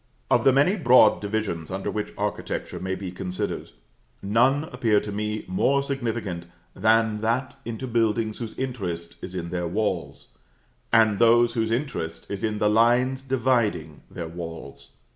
Of the many broad divisions under which architecture may be considered, none appear to me more significant than that into buildings whose interest is in their walls, and those whose interest is in the lines dividing their walls.